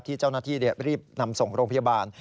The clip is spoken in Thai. เจ้าหน้าที่รีบนำส่งโรงพยาบาล